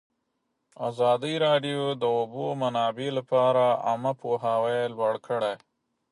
ازادي راډیو د د اوبو منابع لپاره عامه پوهاوي لوړ کړی.